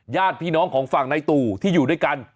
ญาติพี่น้องของฝั่งในตู่ที่อยู่ด้วยกัน